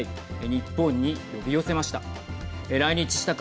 日本に呼び寄せました。